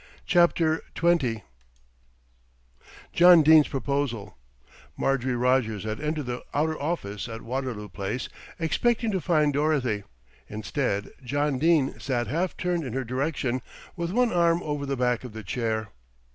CHAPTER XX JOHN DENE'S PROPOSAL Marjorie Rogers had entered the outer office at Waterloo Place expecting to find Dorothy. Instead, John Dene sat half turned in her direction, with one arm over the back of the chair.